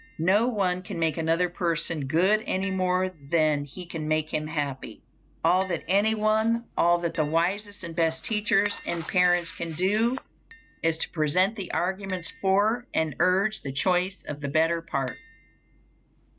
No one can make another person good any more than he can make him happy. All that anyone, all that the wisest and best teachers and parents can do, is to present the arguments for and urge the choice of the better part.